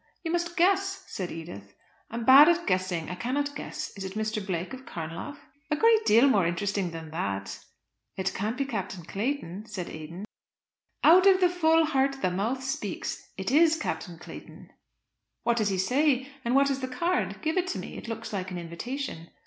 "You must guess," said Edith. "I am bad at guessing, I cannot guess. Is it Mr. Blake of Carnlough?" "A great deal more interesting than that." "It can't be Captain Clayton," said Ada. "Out of the full heart the mouth speaks. It is Captain Clayton." "What does he say, and what is the card? Give it me. It looks like an invitation."